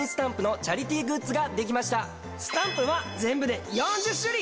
スタンプは全部で４０種類！